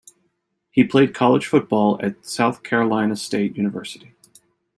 He played college football at South Carolina State University.